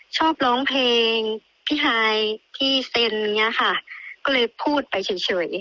ชอบร้องเพลงพี่ฮายพี่เซ็นอย่างเงี้ยค่ะก็เลยพูดไปเฉย